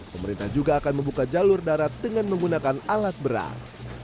pemerintah juga akan membuka jalur darat dengan menggunakan alat berat